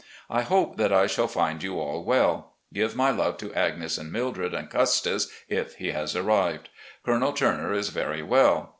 I hope that I shall find you all well. Give my love to Agnes and Mildred, and Custis, if he has arrived. Colonel Turner is very well.